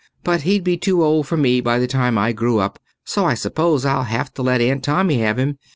But he'd be too old for me by the time I grew up, so I suppose I'll have to let Aunt Tommy have him.